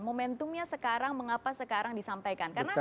momentumnya sekarang mengapa sekarang disampaikan